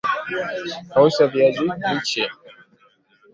kausha viazi lishe